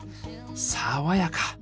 爽やか！